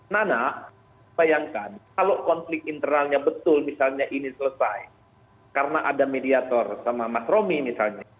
nana bayangkan kalau konflik internalnya betul misalnya ini selesai karena ada mediator sama mas romi misalnya